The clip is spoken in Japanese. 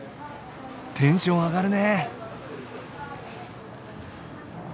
テンション上がるね。